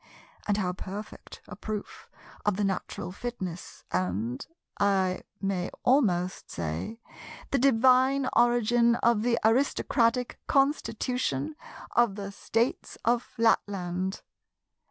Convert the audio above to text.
And how perfect a proof of the natural fitness and, I may almost say, the divine origin of the aristocratic constitution of the States of Flatland!